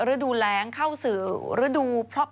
พี่ชอบแซงไหลทางอะเนาะ